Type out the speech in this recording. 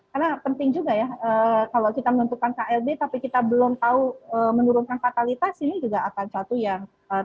karena penting juga ya kalau kita menentukan klb tapi kita belum tahu menurunkan fatalitas ini juga akan satu yang terjadi